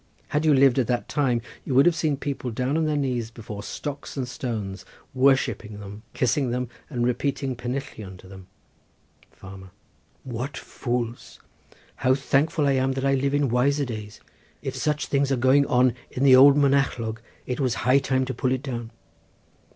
Had you lived at that time you would have seen people down on their knees before stocks and stones, worshipping them, kissing them and repeating pennillion to them. Farmer.—What fools! How thankful I am that I live in wiser days. If such things were going on in the old Monachlog it was high time to pull it down.